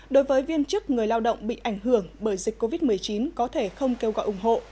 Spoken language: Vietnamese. đối với viên chức người lao động bị ảnh hưởng bởi dịch covid một mươi chín có thể không kêu gọi ủng hộ